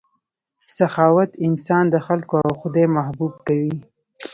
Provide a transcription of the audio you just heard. سخاوت انسان د خلکو او خدای محبوب کوي.